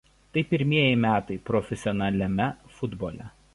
Tai pirmieji metai profesionaliame futbole.